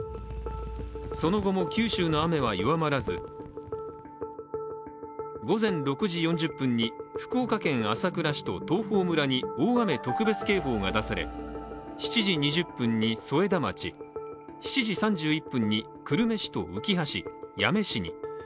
その後も九州の雨は弱まらず午前６時４０分に福岡県朝倉市と東峰村に大雨特別警報が出され、７時２０分に添田町、７時３１日に久留米市とうきは市、八女市に。